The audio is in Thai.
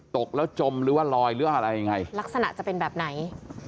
ตกแล้วจมหรือว่าลอยหรืออะไรยังไงลักษณะจะเป็นแบบไหน